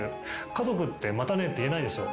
家族って「またね」って言えないでしょ。